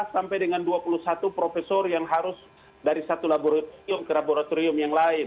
lima belas sampai dengan dua puluh satu profesor yang harus dari satu laboratorium ke laboratorium yang lain